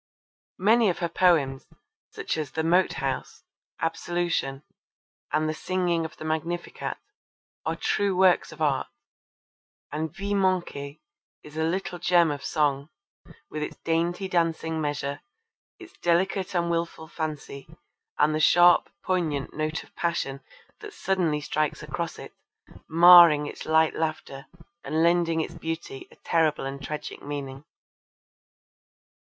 Many of her poems, such as The Moat House, Absolution, and The Singing of the Magnificat are true works of art, and Vies Manquees is a little gem of song, with its dainty dancing measure, its delicate and wilful fancy and the sharp poignant note of passion that suddenly strikes across it, marring its light laughter and lending its beauty a terrible and tragic meaning.